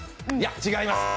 違います。